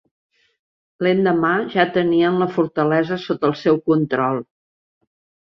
L'endemà ja tenien la fortalesa sota el seu control.